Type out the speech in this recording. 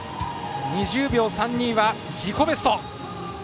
２０秒３２は自己ベスト。